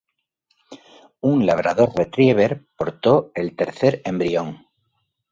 Un labrador retriever portó el tercer embrión.